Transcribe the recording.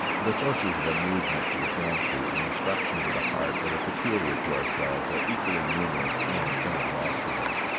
The sources of amusement to the fancy and instruction to the heart that are peculiar to ourselves are equally numerous and inexhaustible.